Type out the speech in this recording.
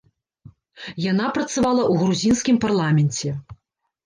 Яна працавала ў грузінскім парламенце.